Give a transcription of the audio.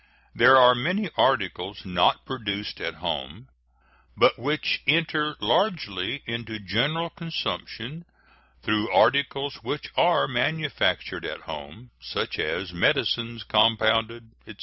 There are many articles not produced at home, but which enter largely into general consumption through articles which are manufactured at home, such as medicines compounded, etc.